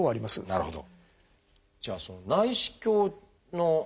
なるほど。